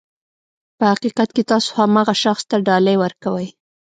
په حقیقت کې تاسو هماغه شخص ته ډالۍ ورکوئ.